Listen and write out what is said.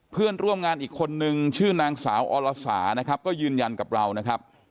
เพื่อนร่วมงานอีกคนนึงชื่อนางสาวอรสานะครับก็ยืนยันกับเรานะครับ